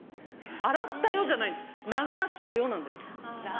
「洗ったよ」じゃないんです「流したよ」なんです。